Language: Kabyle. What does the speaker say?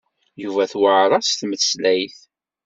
Yuba tettuɛer-as tmeslayt.